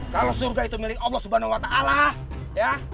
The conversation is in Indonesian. kalau surga itu milik allah swt ya